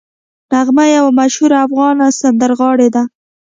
نغمه یوه مشهوره افغان سندرغاړې ده